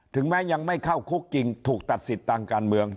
แม้ยังไม่เข้าคุกจริงถูกตัดสิทธิ์ทางการเมือง